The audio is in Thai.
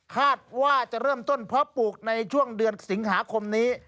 คาดว่าจะเริ่มต้นเพราะปลูกในช่วงเดือนสิงหาคมนี้